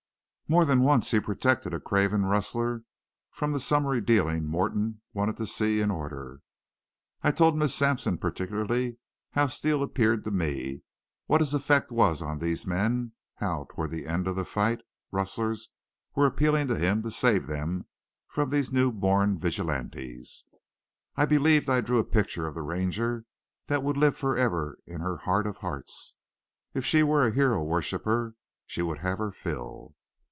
More than once he protected a craven rustler from the summary dealing Morton wanted to see in order. I told Miss Sampson particularly how Steele appeared to me, what his effect was on these men, how toward the end of the fight rustlers were appealing to him to save them from these new born vigilantes. I believed I drew a picture of the Ranger that would live forever in her heart of hearts. If she were a hero worshiper she would have her fill.